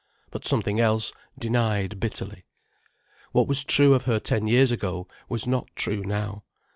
But something else denied bitterly. What was true of her ten years ago was not true now.